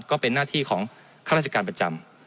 ก็เป็นหน้าที่ของข้าราชการประจำ